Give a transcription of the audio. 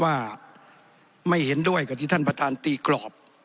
ว่าไม่เห็นด้วยกับที่ท่านประธานตีกรอบ